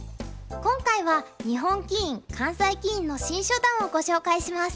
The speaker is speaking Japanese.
今回は日本棋院関西棋院の新初段をご紹介します。